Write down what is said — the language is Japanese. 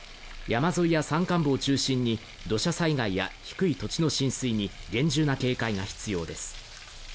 山沿いや山間部を中心に土砂災害や低い土地の浸水に厳重な警戒が必要です